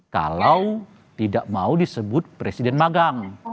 kalau tidak mau disebut presiden magang